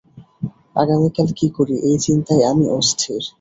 আগামীকাল কি করি এই চিন্তায় আমি অস্থির।